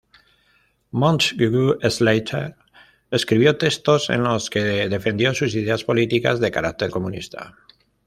Montagu Slater escribió textos en los que defendió sus ideas políticas, de carácter comunista.